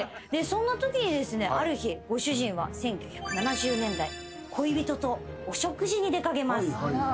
そんなときにある日ご主人は１９７０年代恋人とお食事に出掛けます。